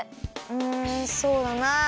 うんそうだな。